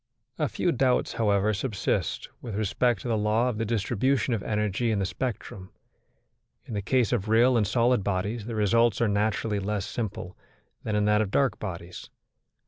A few doubts, however, subsist with respect to the law of the distribution of energy in the spectrum. In the case of real and solid bodies the results are naturally less simple than in that of dark bodies.